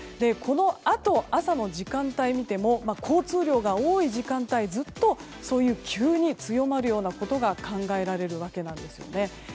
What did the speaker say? このあと、朝の時間帯を見ても交通量が多い時間帯ずっと、急に強まるようなことが考えられるわけですね。